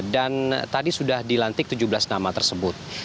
dan tadi sudah dilantik tujuh belas nama tersebut